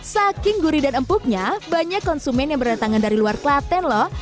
saking gurih dan empuknya banyak konsumen yang berdatangan dari luar klaten loh